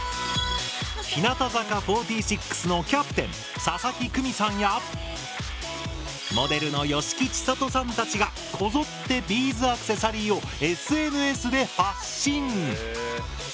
日向坂４６のキャプテン佐々木久美さんやモデルの吉木千沙都さんたちがこぞってビーズアクセサリーをＳＮＳで発信！